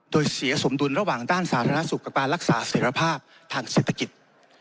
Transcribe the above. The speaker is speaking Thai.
โดยเสียสมดุลระหว่างด้านสาธารณสุขกับการรักษาเสร็จภาพทางเศรษฐกิจ